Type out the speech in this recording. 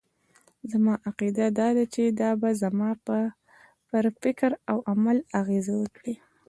زما عقيده دا ده چې دا به زما پر فکراو عمل اغېز وکړي.